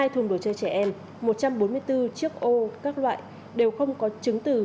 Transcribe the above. hai thùng đồ chơi trẻ em một trăm bốn mươi bốn chiếc ô các loại đều không có chứng từ